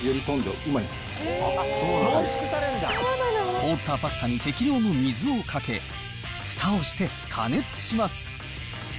凍ったパスタに適量の水をかけフタをして加熱します。